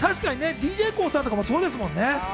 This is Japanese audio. ＤＪＫＯＯさんとかもそうですもんね。